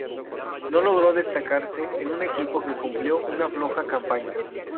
No logró destacarse en un equipo que cumplió una floja campaña.